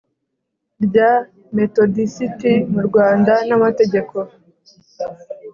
rya Metodisiti mu Rwanda n amategeko